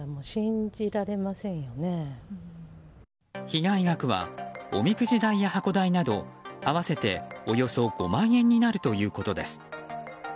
被害額はおみくじ代や箱代など合わせておよそ５万円になるということです。